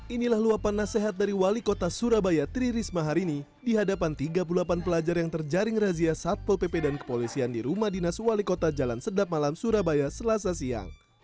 inilah luapan nasihat dari wali kota surabaya tri risma hari ini di hadapan tiga puluh delapan pelajar yang terjaring razia satpol pp dan kepolisian di rumah dinas wali kota jalan sedap malam surabaya selasa siang